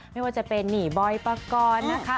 ไม่ว่าจะเป็นบอยประกอร์นนะคะ